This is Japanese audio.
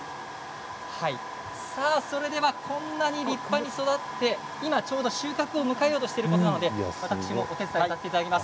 それではこんなに立派に育って今ちょうど収穫を迎えようとしているところなので私もお手伝いをさせていただきます。